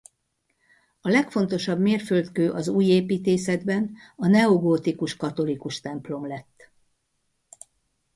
A legfontosabb mérföldkő az új építészetben a neogótikus katolikus templom lett.